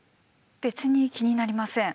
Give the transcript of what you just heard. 別に気になりません。